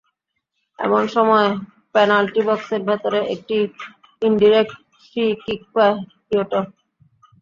এমন সময় পেনাল্টি বক্সের ভেতরে একটি ইনডিরেক্ট ফ্রি কিক পায় কিয়োটো।